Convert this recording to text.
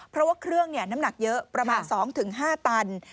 เพราะว่าเครื่องน้ำหนักเยอะประมาณ๒๕ตัน